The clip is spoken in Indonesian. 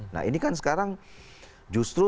nah ini kan sekarang justru